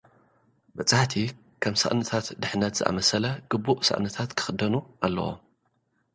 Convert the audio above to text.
በጻሕቲ፡ ከም ሳእንታት ድሕነት ዝኣመሰለ ግቡእ ሳእንታት ክኽደኑ ኣለዎም።